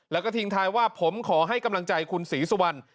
แล้วก็ทิ้งท้ายว่าผมขอให้กำลังใจคุณศรีสุวรรณ